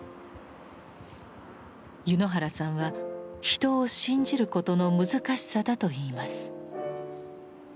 柚之原さんは人を信じることの難しさだといいます。